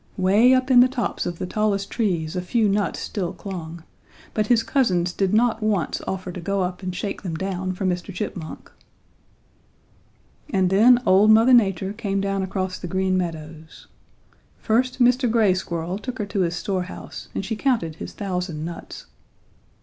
Way up in the tops of the tallest trees a few nuts still clung, but his cousins did not once offer to go up and shake them down for Mr. Chipmunk. "And then old Mother Nature came down across the Green Meadows. First Mr. Gray Squirrel took her to his storehouse and she counted his thousand nuts.